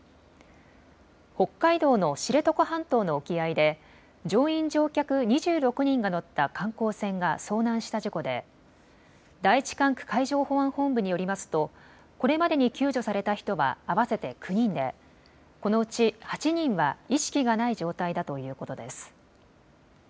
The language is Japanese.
北海道の知床半島の沖合で乗員・乗客２６人が乗った観光船が遭難した事故で第１管区海上保安本部によりますとこれまでに救助された人は合わせて９人でこのうち８人は意識がない状態だということです。